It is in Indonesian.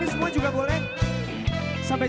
mainkan nyawa fuji di circulating birth